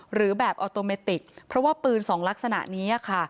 หรือแบบออโตเมติกเพราะว่าปืนสองลักษณะนี้ค่ะ